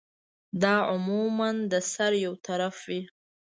دا عموماً د سر يو طرف ته وی